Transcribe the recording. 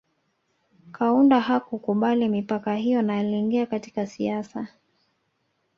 Kaunda hakukubali mipaka hiyo na aliingia katika siasa